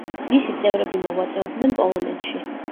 მისი წევრები მოღვაწეობდნენ პოლონეთში.